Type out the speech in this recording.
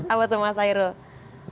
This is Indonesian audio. apa tuh mas hairul